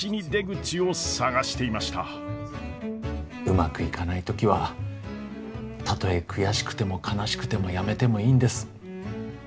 うまくいかない時はたとえ悔しくても悲しくてもやめてもいいんです。